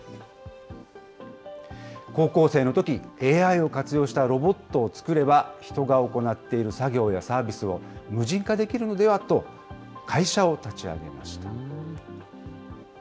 高校生のとき、ＡＩを活用したロボットを作れば、人が行っている作業やサービスを、無人化できるのではと、会社を立ち上げました。